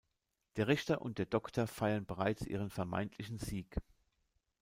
Der Richter und der Doktor feiern bereits ihren vermeintlichen Sieg.